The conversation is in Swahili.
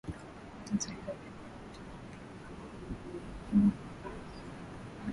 Hata hivyo baadhi ya watu huingilia majukumu haya mapema au baadaye